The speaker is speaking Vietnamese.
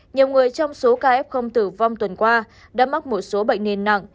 nhiều người trong số kf tử vong tuần qua đã mắc một số bệnh niên nặng